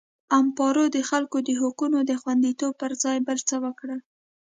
امپارو د خلکو د حقونو د خوندیتوب پر ځای بل څه وکړل.